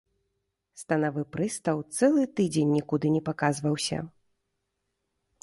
Станавы прыстаў цэлы тыдзень нікуды не паказваўся.